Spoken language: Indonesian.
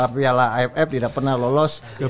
piala aff tidak pernah lolos